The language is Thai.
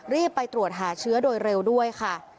รีบไปตรวจหาเชื้อโดยเร็วด้วยค่ะ